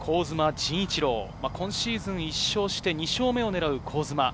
陣一朗、今シーズン１勝して２勝目を狙う香妻。